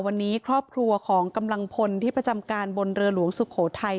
วันนี้ครอบครัวของกำลังพลที่ประจำการบนเรือหลวงสุโขทัย